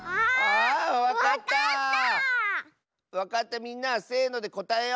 わかったみんなせのでこたえよう！